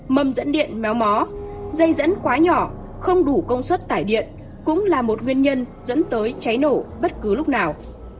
mầm dẫn điện méo mó dây dẫn quá nhỏ không đủ công suất tải điện cũng là một nguyên nhân dẫn tới cháy nổ bất cứ lúc nào